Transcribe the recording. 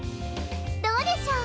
どうでしょう？